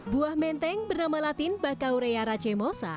buah menteng bernama latin bacauria racemosa